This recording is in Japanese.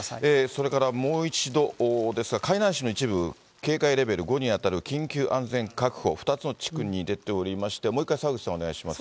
それからもう一度ですが、海南市の一部、警戒レベル５に当たる緊急安全確保、２つの地区に出ておりまして、もう一回、澤口さん、お願いします。